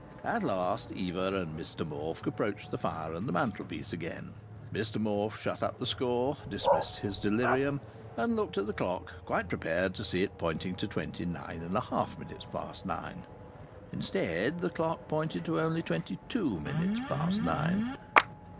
At last Eva and Mr Morfe approached the fire and the mantelpiece again. Mr Morfe shut up the score, dismissed his delirium, and looked at the clock, quite prepared to see it pointing to twenty nine and a half minutes past nine. Instead, the clock pointed to only twenty two minutes past nine.